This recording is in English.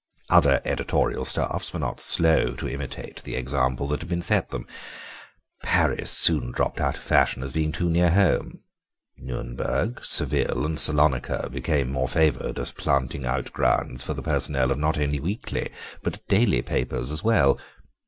Other editorial staffs were not slow to imitate the example that had been set them. Paris soon dropped out of fashion as being too near home; Nürnberg, Seville, and Salonica became more favoured as planting out grounds for the personnel of not only weekly but daily papers as well.